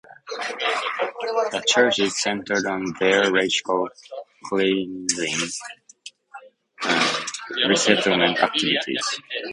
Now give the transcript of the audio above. The charges centered on their racial cleansing and resettlement activities.